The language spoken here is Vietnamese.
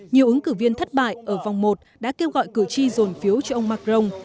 nhiều ứng cử viên thất bại ở vòng một đã kêu gọi cử tri dồn phiếu cho ông macron